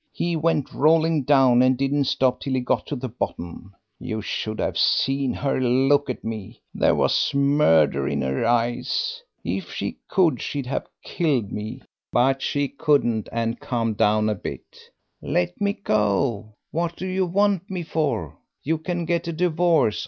He went rolling down, and didn't stop till he got to the bottom. You should have seen her look at me; there was murder in her eyes. If she could she'd have killed me, but she couldn't and calmed down a bit. 'Let me go; what do you want me for? You can get a divorce....